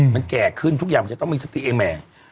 มันแก่ขึ้นทุกอย่างมันจะต้องมีสติเอแมน